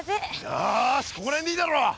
よしここら辺でいいだろ！